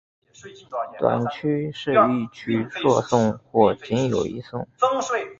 短曲是一曲数颂或仅有一颂。